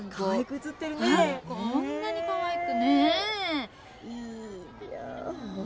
・こんなにかわいくね。